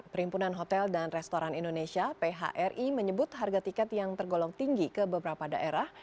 perhimpunan hotel dan restoran indonesia phri menyebut harga tiket yang tergolong tinggi ke beberapa daerah